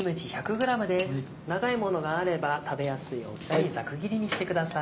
長いものがあれば食べやすい大きさにざく切りにしてください。